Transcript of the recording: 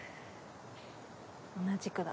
同じくだ。